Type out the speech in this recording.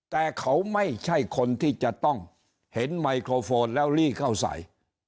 แต่เขาไม่ใช่คนที่จะต้องเห็นไมโครโฟนแล้วลี่เข้าใส่